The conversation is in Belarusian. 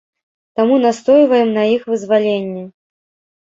Таму настойваем на іх вызваленні.